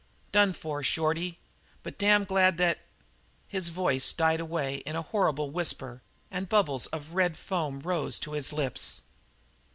"Done for, Shorty, but damned glad that " His voice died away in a horrible whisper and bubbles of red foam rose to his lips.